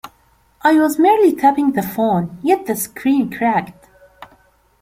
I was merely tapping the phone, yet the screen cracked.